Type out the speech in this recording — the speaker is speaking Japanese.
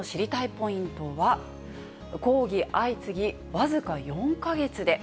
ポイントは、抗議相次ぎ、僅か４か月で。